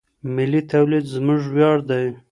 ملي توليد زموږ وياړ دی.